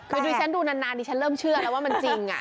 คือดิฉันดูนานดิฉันเริ่มเชื่อแล้วว่ามันจริง